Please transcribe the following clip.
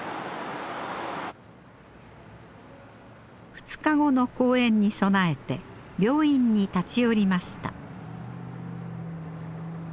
２日後の公演に備えて病院に立ち寄りました。